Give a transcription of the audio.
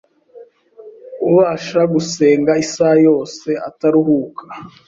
ubasha gusenga isaha yose ataruhuka,